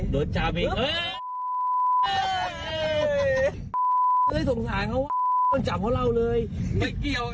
โดนจ้ามิ